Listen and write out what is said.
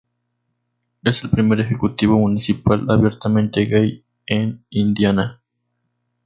Es el primer ejecutivo municipal abiertamente gay en Indiana.